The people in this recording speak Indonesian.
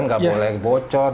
nggak boleh bocor